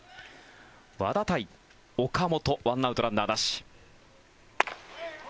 和田対岡本１アウト、ランナーなし。